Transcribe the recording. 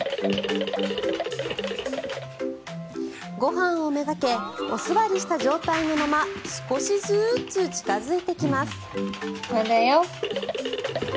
ご飯をめがけお座りした状態のまま少しずつ近付いてきます。